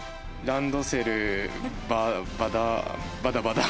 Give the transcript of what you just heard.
ランドセルバタバタ。